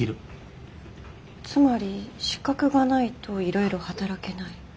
つまり資格がないといろいろ働けない。